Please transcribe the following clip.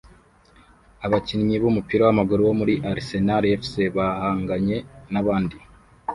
abakinnyi b'umupira w'amaguru bo muri Arsenal FC bahanganye nabandi